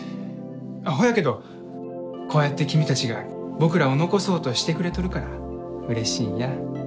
ほやけどこうやって君たちが僕らを残そうとしてくれとるからうれしいんや。